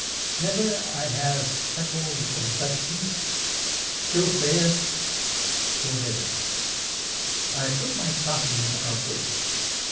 Never I have fecld a such heat Till say us ? Till hither. I have put my stockings outward.